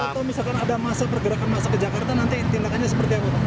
atau misalkan ada masa pergerakan masa ke jakarta nanti tindakannya seperti apa